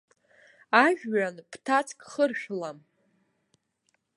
Ажәҩан ԥҭацк хыршәлам.